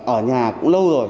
ở nhà cũng lâu rồi